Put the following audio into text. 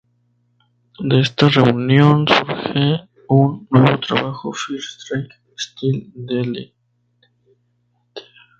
De esta reunión surge un nuevo trabajo "First Strike Still Deadly".